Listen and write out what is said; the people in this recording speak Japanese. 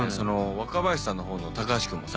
若林さんの方の橋君もさ。